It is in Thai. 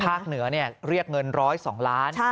ภาคเหนือเนี่ยเรียกเงิน๑๐๒ล้าน